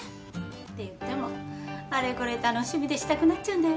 っていってもあれこれ楽しみでしたくなっちゃうんだよね。